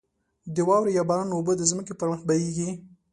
د واورې یا باران اوبه د ځمکې پر مخ بهېږې.